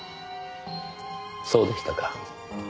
そうでしたか。